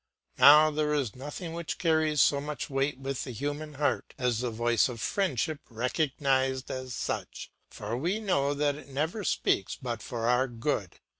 Now there is nothing which carries so much weight with the human heart as the voice of friendship recognised as such, for we know that it never speaks but for our good.